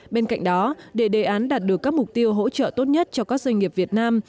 bên cạnh đó để đề án đạt được các mục tiêu hỗ trợ tốt nhất cho các doanh nghiệp việt nam